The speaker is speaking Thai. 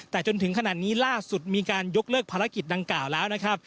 แต่จนถึงขนาดนี้ล่าสุดมีการยกเลิกภารกิจดังกล่าวแล้วนะครับ